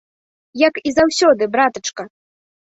Як і заўсёды, братачка.